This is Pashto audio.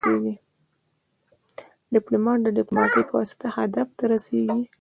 ډيپلومات د ډيپلوماسي پواسطه هدف ته رسیږي.